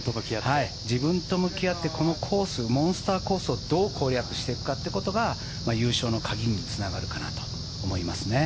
自分と向き合ってこのモンスターコースをどう攻略していくかが優勝の鍵につながるかなと思いますね。